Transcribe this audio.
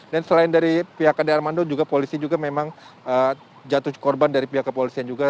dan selain dari pihak ade armando juga polisi juga memang jatuh korban dari pihak kepolisian juga